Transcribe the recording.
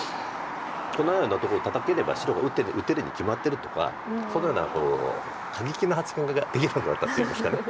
「このようなとこタタければ白が打てるに決まってる」とかそのような過激な発言ができなくなったといいますか。